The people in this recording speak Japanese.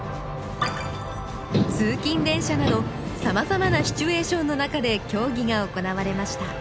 通勤電車などさまざまなシチュエーションの中で競技が行われました